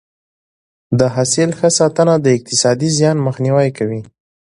د حاصل ښه ساتنه د اقتصادي زیان مخنیوی کوي.